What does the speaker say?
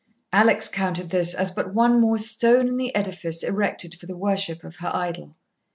Alex counted this as but one more stone in the edifice erected for the worship of her idol.